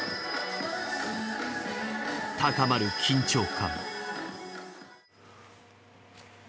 高まる緊張感。